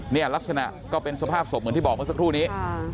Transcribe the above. เนี่ยลักษณะก็เป็นสภาพศพเหมือนที่บอกเมื่อสักครู่นี้